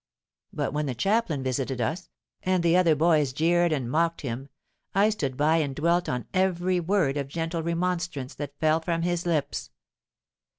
But when the chaplain visited us, and the other boys jeered and mocked him, I stood by and dwelt on every word of gentle remonstrance that fell from his lips.